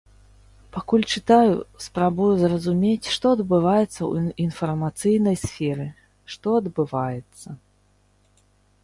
Пакуль чытаю, спрабую зразумець што адбываецца ў інфармацыйнай сферы, што адбываецца.